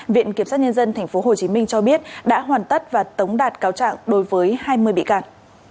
viện kiểm sát nhân dân tp hcm cho biết đã hoàn tất và tống đạt cáo trạng đối với hai mươi bị can